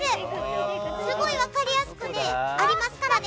すごい分かりやすくありますからね。